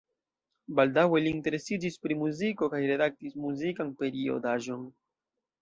Baldaŭe li interesiĝis pri muziko kaj redaktis muzikan periodaĵon.